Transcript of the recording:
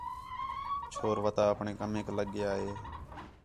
چھور وَتا اپݨے کمیک لڳ ڳِیا ہِے